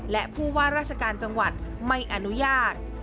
และผู้ว่าราชการจังหวัดไม่อนุญาต